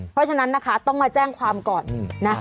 เพราะฉะนั้นนะคะต้องมาแจ้งความก่อนนะ